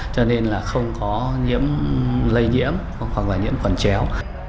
cho nên là không có nhiễm lây nhiễm hoặc là nhiễm khuẩn chéo